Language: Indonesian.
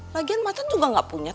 lagian macan juga gak punya